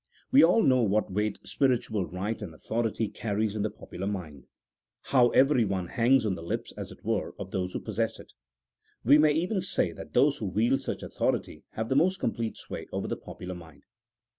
We all know what weight spiritual right and authority carries in the popular mind : how everyone hangs on the lips, as it were, of those who possess it. We may even say that those who wield such authority have the most complete sway over the popular mind.